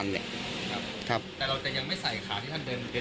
แต่เราจะยังไม่ใส่ขาที่ท่านเดิน